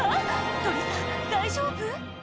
鳥さん大丈夫？